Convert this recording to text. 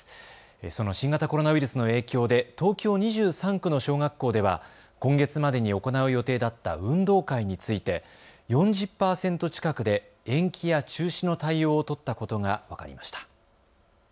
その新型コロナウイルスの影響で東京２３区の小学校では今月までに行う予定だった運動会について４０％近くで延期や中止の対応を取ったことが分かりました。